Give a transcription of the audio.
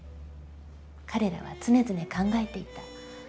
彼らは常々考えていた。